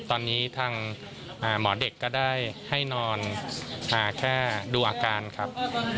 ตอนนี้ทางหมอเด็กก็ได้ให้นอนแค่ดูอาการครับ